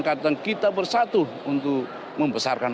seakan akan kita bersatu untuk membesarkan